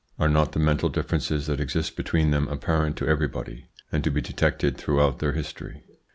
Are not the mental differences that exist between them apparent to everybody, and to be detected throughout their history